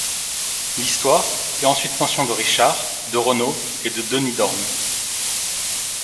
L'histoire fait ensuite mention de Richard, de Renaud, et de Denis d'Ormes.